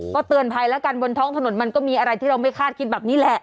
ก็เตือนภัยแล้วกันบนท้องถนนมันก็มีอะไรที่เราไม่คาดคิดแบบนี้แหละ